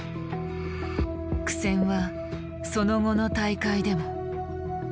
苦戦はその後の大会でも。